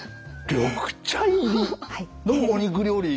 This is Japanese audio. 緑茶入りのお肉料理。